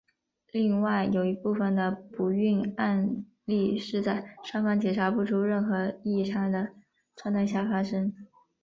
另外有一部分的不孕案例是在双方检查不出任何异常的状况下发生。